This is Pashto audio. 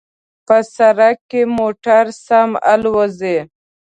په سړک کې موټر سم الوزي